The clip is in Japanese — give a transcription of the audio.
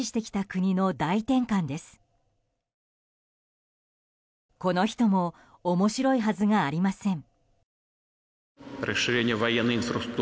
この人も面白いはずがありません。